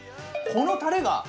このたれが。